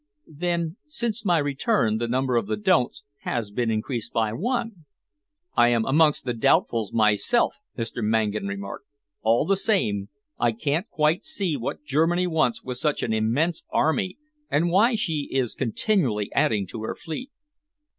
"Then since my return the number of the 'don'ts' has been increased by one." "I am amongst the doubtfuls myself," Mr. Mangan remarked. "All the same, I can't quite see what Germany wants with such an immense army, and why she is continually adding to her fleet."